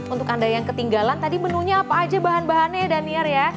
untuk anda yang ketinggalan tadi menunya apa aja bahan bahannya ya daniel ya